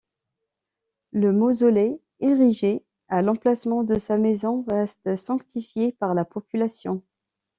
Le mausolée érigé à l'emplacement de sa maison reste sanctifié par la population.